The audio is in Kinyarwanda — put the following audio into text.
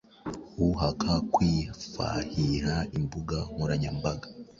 uhaka kwifahiha imbuga nkoranyambaga,